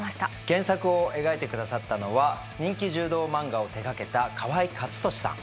原作を描いて下さったのは人気柔道漫画を手がけた河合克敏さん。